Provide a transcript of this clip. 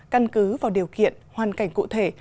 tăng cứ vào điều kiện hoàn cảnh cụ thể